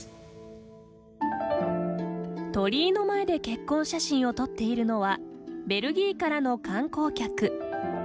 鳥居の前で結婚写真を撮っているのはベルギーからの観光客。